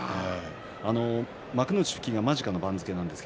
幕内復帰が間近な番付です。